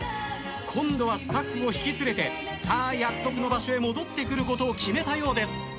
今度はスタッフを引き連れてさあ約束の場所へ戻ってくることを決めたようです。